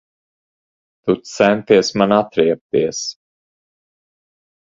Tu centies man atriebties.